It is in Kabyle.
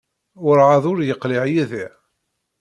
Werɛad ur yeqliɛ Yidir?